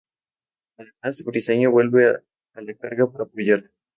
Además, Briceño vuelve a la carga para apoyar.